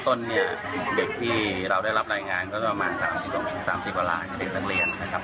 ส่วนใหญ่ก็จะเป็นอาการในระบบภาพเรียนในใจนะครับ